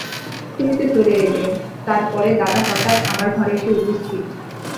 তুমি তো চলে এলে, তার পরে দাদা হঠাৎ আমার ঘরে এসে উপস্থিত।